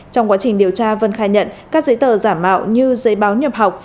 trong quá trình điều tra vân khai nhận các giấy tờ giả mạo như giấy báo nhập học